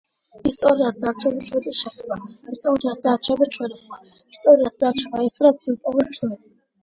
ისტორიას დარჩება ჩვენი შეხება ისტორიას დარჩება ჩვენი ხმა ისტორიას დარჩება ის რაც ვიპოვეთ ჩვენ